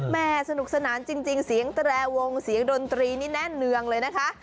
แม่สนุกสนานจริงเสียงแตรวงเสียงดนตรีนี่แน่นเนืองเลยนะคะ